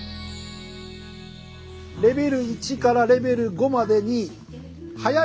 レベル１からレベル５までにええ！